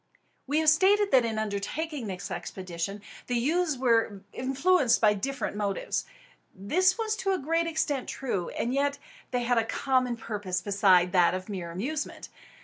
We have stated that, in undertaking this expedition, the youths were influenced by different motives. This was to a great extent true; and yet they had a common purpose beside that of mere amusement.